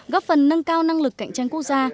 góp phần nâng cao năng lực cạnh tranh quốc gia